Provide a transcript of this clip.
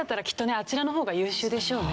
あちらの方が優秀でしょうね。